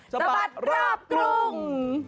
สปาดรอบกรุง